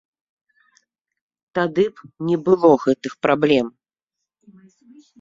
Тады б не было гэтых праблем.